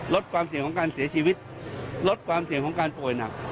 ลดความเสี่ยงของการเสียชีวิตลดความเสี่ยงของการป่วยหนัก